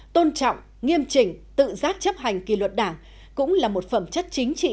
tôn trọng nghiêm chỉnh tự giác chấp hành kỳ luật đảng cũng là một phẩm chất chính trị